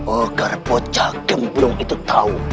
agar pocah gemblung itu tahu